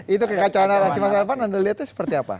itu kekacauan narasi masyarakat anda lihatnya seperti apa